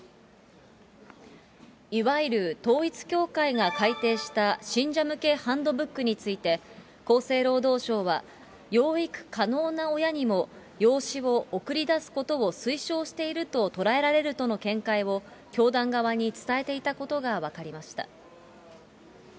いわゆる統一教会が改訂した信者向けハンドブックについて、厚生労働省は養育可能な親にも養子を送り出すことを推奨していると捉えられるとの見解を、教団側に伝えていたことが分かりました。